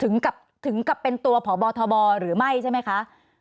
ถึงกับเป็นตัวพบทบหรือไม่ใช่ไหมคะ